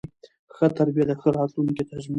ښه تربیه د ښه راتلونکي تضمین دی.